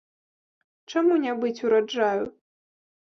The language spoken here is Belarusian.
Чаму не быць ураджаю?